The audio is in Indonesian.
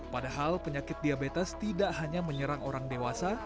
padahal penyakit diabetes tidak hanya menyerang orang dewasa